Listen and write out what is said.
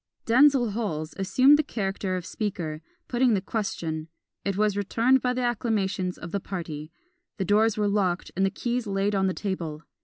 Denzil Holles assumed the character of Speaker, putting the question: it was returned by the acclamations of the party. The doors were locked and the keys laid on the table.